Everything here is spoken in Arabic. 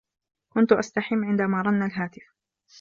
كنت أستحم عندما رن الهاتف.